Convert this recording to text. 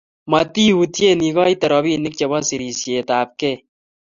matiyutyen ikoite robinik chebo serisietab gei